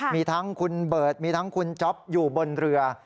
มีทั้งคุณเบิร์ตมีทั้งคุณจ๊อปอยู่บนเรือ